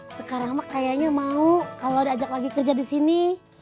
sekarang mah kayaknya mau kalau ada ajak lagi kerja di sini